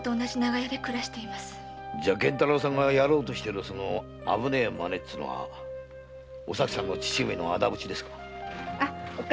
じゃ源太郎さんがやろうとしている危ないまねってのはお咲さんの父上の仇討ちですか。